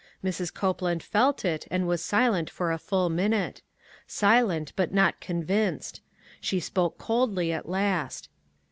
Mrs. Copeland felt it and was si lent for a full minute. Silent but not con vinced. She spoke coldly at last.